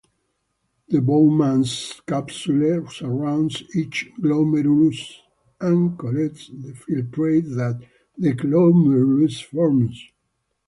The Bowman's capsule surrounds each glomerulus, and collects the filtrate that the glomerulus forms.